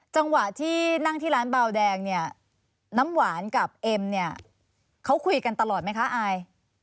จังหวะที่นั่งที่ร้านเบาแดงเนี่ยน้ำหวานกับเอ็มเนี่ยเขาคุยกันตลอดไหมคะอาย